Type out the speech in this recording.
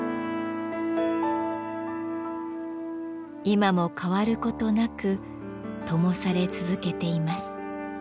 今も変わる事なくともされ続けています。